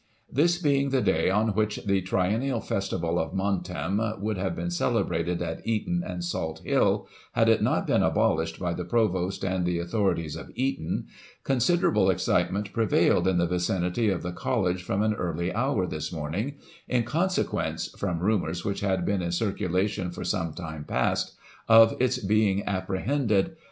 — This being the day on which the triennial festival of * Montem ' would have been celebrated at Eton and Salt Hill, had it not been abolished by the Provost and the authorities of Eton, considerable excitement prevailed in the vicinity of the College from an early hour this morning, in consequence (from rumours which had been in circulation for some time past) of its being apprehended Dresses, Eton "Montem." 1844.